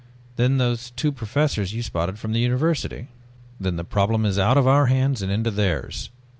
Then those two professors you spotted from the university." "Then the problem is out of our hands and into theirs.